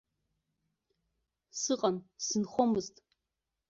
Сыҟан, сзынхомызт.